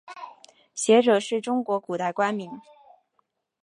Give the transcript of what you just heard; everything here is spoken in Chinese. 谒者是中国古代官名。